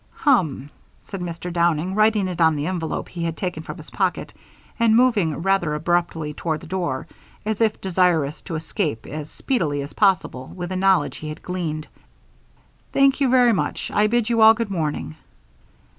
"Hum," said Mr. Downing, writing it on the envelope he had taken from his pocket, and moving rather abruptly toward the door, as if desirous to escape as speedily as possible with the knowledge he had gleaned. "Thank you very much. I bid you all good morning."